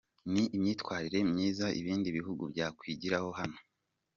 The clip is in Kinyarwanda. Ni imyitwarire myiza ibindi bihugu byakwigira hano.